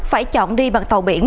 phải chọn đi bằng tàu biển